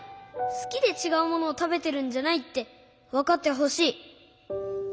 すきでちがうものをたべてるんじゃないってわかってほしい。